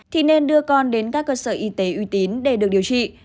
thì nên đưa con đến các cơ sở y tế uy tín để được điều trị